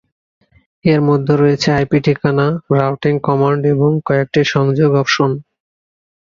এর মধ্যে রয়েছে আইপি ঠিকানা, রাউটিং কমান্ড এবং কয়েকটি সংযোগ অপশন।